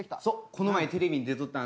「この前テレビに出とった」